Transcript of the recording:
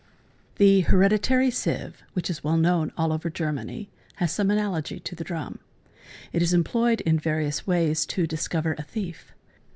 The 'hereditary sieve," which is well known all over Germany, has — some analogy to the drum. It is employed in various ways to discover a thief.